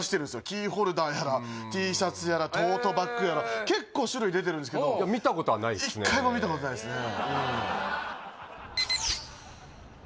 キーホルダーやらＴシャツやらトートバッグやら結構種類出てるんですけど一回も見たことないですね